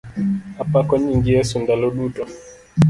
Apako nying Yesu ndalo duto.